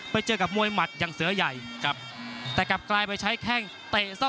ไปเจอกับมวยหมัดอย่างเสือใหญ่ครับแต่กลับกลายไปใช้แข้งเตะซ่อ